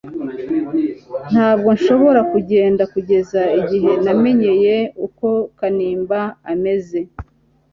Ntabwo nshobora kugenda kugeza igihe namenyeye uko Kanimba ameze